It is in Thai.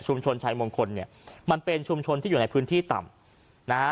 ชนชายมงคลเนี่ยมันเป็นชุมชนที่อยู่ในพื้นที่ต่ำนะฮะ